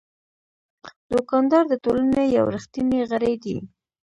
دوکاندار د ټولنې یو ریښتینی غړی دی.